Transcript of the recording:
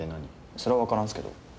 それは分からんっすけど。